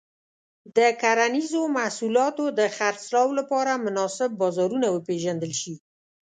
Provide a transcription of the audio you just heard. د کرنيزو محصولاتو د خرڅلاو لپاره مناسب بازارونه وپیژندل شي.